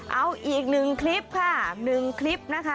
เอาอีกหนึ่งคลิปค่ะ๑คลิปนะคะ